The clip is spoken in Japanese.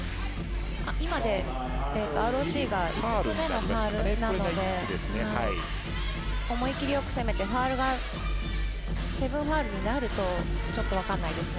ＲＯＣが５つ目のファウルなので思い切りよく攻めてファウルが７ファウルになるとちょっと分からないですね。